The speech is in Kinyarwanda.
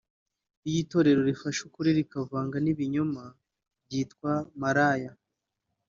Iyo itorero rifashe ukuri rikavanga n’ibinyoma ryitwa maraya